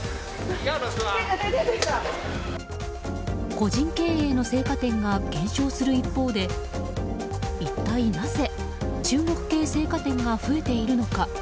個人経営の青果店が減少する一方で一体なぜ中国系青果店が増えているのか。